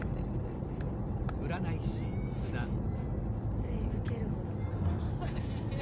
つい受ける方だと思ってました。